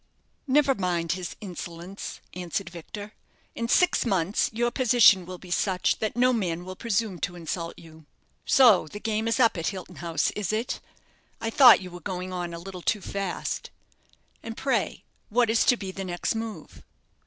"Never mind his insolence," answered Victor; "in six months your position will be such that no man will presume to insult you. So the game is up at Hilton House, is it? I thought you were going on a little too fast. And pray what is to be the next move?"